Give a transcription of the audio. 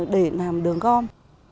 để làm đường gói